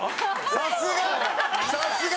さすが！